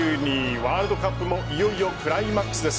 ワールドカップもいよいよクライマックスです。